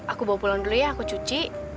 aku bawa pulang dulu ya aku cuci